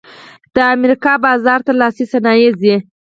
د امریکا بازار ته لاسي صنایع ځي